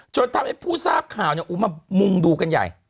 จนทำให้ผู้ทราบข่าวมามุงดูกันใหญ่